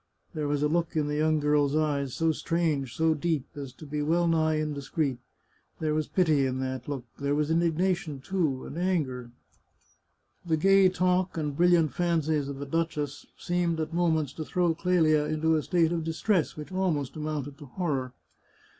There was a look in the young girl's eyes, so strange, so deep, as to be well nigh indiscreet. There was pity in that look. There was indignation, too, and anger. The gay talk and brilliant fancies of the duchess seemed at moments to throw Clelia into a state of distress 283 The Chartreuse of Parma which almost amounted to horror.